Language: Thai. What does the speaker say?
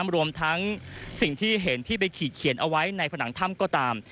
รวมทั้งสิ่งที่เห็นที่ไปขีดเขียนเอาไว้ในผนังถ้ำก็ตาม